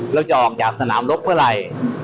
เราจะออกจากสนามรบเมื่อไหร่